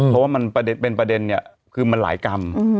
เพราะว่ามันเป็นประเด็นเนี่ยคือมันหลายกรรม